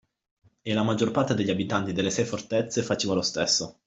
E la maggior parte degli abitanti delle sei fortezze faceva lo stesso.